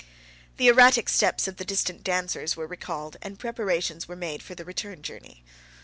The erratic steps of the distant dancers were recalled and preparations were made for the return journey.